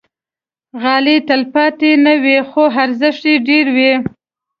غالۍ تل تلپاتې نه وي، خو ارزښت یې ډېر وي.